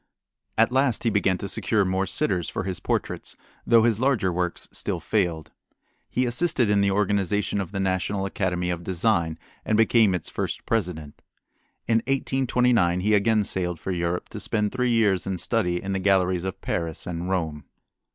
At last he began to secure more sitters for his portraits, though his larger works still failed. He assisted in the organization of the National Academy of Design and became its first president. In 1829 he again sailed for Europe to spend three years in study in the galleries of Paris and Rome.